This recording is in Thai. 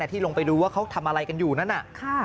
ที่ลงไปดูว่าเขาทำอะไรกันอยู่นั่นน่ะ